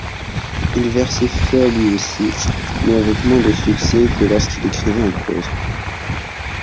Il versifia lui aussi, mais avec moins de succès que lorsqu’il écrivait en prose.